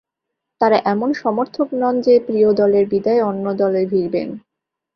তারা এমন সমর্থক নন যে প্রিয় দলের বিদায়ে অন্য দলে ভিড়বেন।